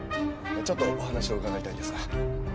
ちょっとお話を伺いたいんですが。